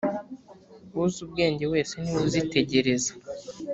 uzi ubwenge wese ni we uzitegereza